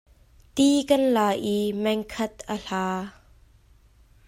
Ti kan la i meng khat a hla.